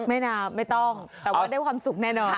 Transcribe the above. ไม่ต้องแต่ว่าได้ความสุขแน่นอน